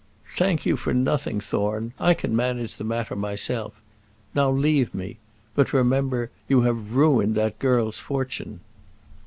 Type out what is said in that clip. "Thank you for nothing, Thorne: I can manage that matter myself. Now leave me; but remember, you have ruined that girl's fortune."